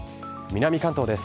南関東です。